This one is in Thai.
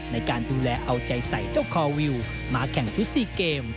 ในการดูแลเอาใจใส่เจ้าคอวิวมาแข่งชุด๔เกม